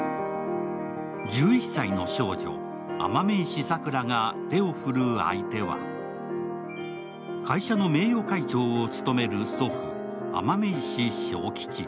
１１歳の少女、雨目石サクラが手を振る相手は会社の名誉会長を勤める祖父雨目石昭吉。